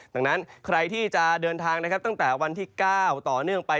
ดังนั้นใครที่จะเดินทางนะครับตั้งแต่วันที่๙ต่อเนื่องไป